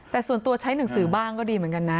แต่ส่วนตัวใช้หนังสือบ้างก็ดีเหมือนกันนะ